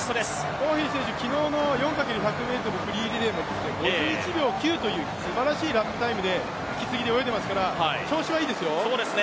ホーヒー選手、昨日の４×１００ｍも５９秒０というすばらしいラップタイムで泳いでいますから調子はいいですよ。